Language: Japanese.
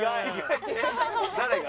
誰が？